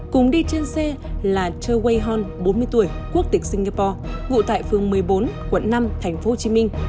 cùng đi trên xe là choe wei hon bốn mươi tuổi quốc tịch singapore vụ tại phương một mươi bốn quận năm tp hcm